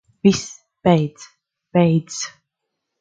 Viss, beidz. Beidz.